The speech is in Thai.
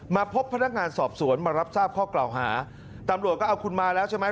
มาพบพนักงานสอบสวนมารับทราบข้อกล่าวหาตำรวจก็เอาคุณมาแล้วใช่ไหม